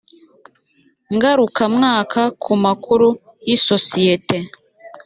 ngarukamwaka ku makuru y isosiyete